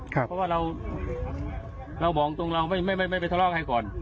ครับเพราะว่าเราเราบอกตรงเราไม่ไม่ไม่ไม่ไปทะเลาะใครก่อน